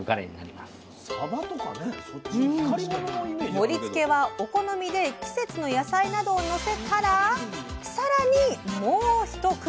盛りつけはお好みで季節の野菜などをのせたら更にもうひと工夫。